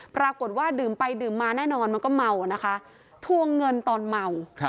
ปรากฏว่าดื่มไปดื่มมาแน่นอนมันก็เมานะคะทวงเงินตอนเมา